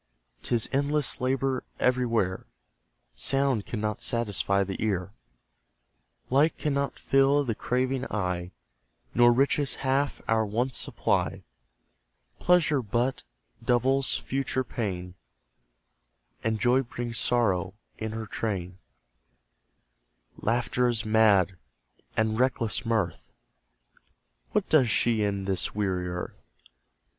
'Tis endless labour everywhere! Sound cannot satisfy the ear, Light cannot fill the craving eye, Nor riches half our wants supply, Pleasure but doubles future pain, And joy brings sorrow in her train; Laughter is mad, and reckless mirth What does she in this weary earth?